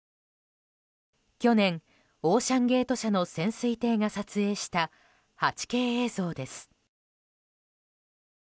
去年、オーシャンゲート社の潜水艇が撮影した８Ｋ映像です。